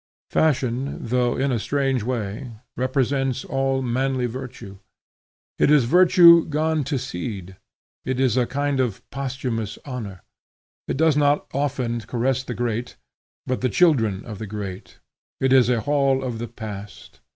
Fashion, though in a strange way, represents all manly virtue. It is virtue gone to seed: it is a kind of posthumous honor. It does not often caress the great, but the children of the great: it is a hall of the Past.